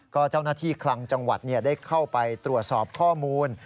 ก็เจ้าหน้าที่คลังจังหวัดได้เข้าไปตรวจสอบข้อมูล